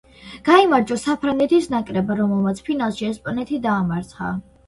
გაიმარჯვა საფრანგეთის ნაკრებმა, რომელმაც ფინალში ესპანეთი დაამარცხა.